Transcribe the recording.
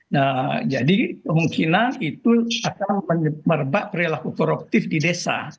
nah jadi kemungkinan itu akan merebak perilaku koruptif di desa